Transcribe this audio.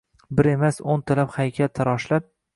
Bir emas, o’ntalab haykal taroshlab